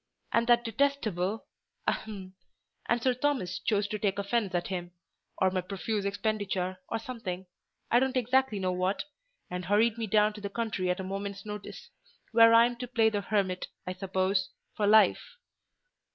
And that detestable—ahem—and Sir Thomas chose to take offence at him—or my profuse expenditure, or something—I don't exactly know what—and hurried me down to the country at a moment's notice; where I'm to play the hermit, I suppose, for life."